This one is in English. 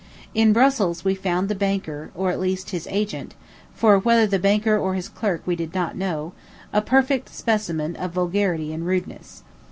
In Brussels we found the banker, or, at least, his agent, for whether the banker or his clerk we did not know, a perfect specimen of vulgarity and rudeness.